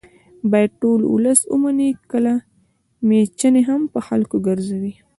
باید ټول ولس ومني که میچنې هم په خلکو ګرځوي